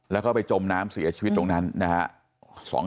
แล้วก็ไปจมน้ำเสียชีวิตตรงนั้นนะครับ